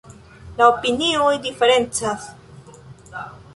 La opinioj diferencas.